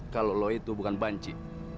kalo lo itu bukan banci